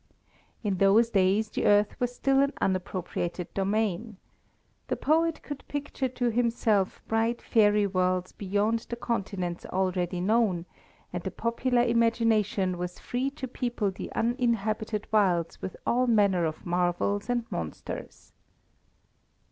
In those days the earth was still an unappropriated domain. The poet could picture to himself bright fairy worlds beyond the continents already known, and the popular imagination was free to people the uninhabited wilds with all manner of marvels and monsters.